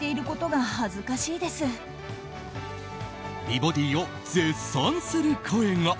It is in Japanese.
美ボディーを絶賛する声が。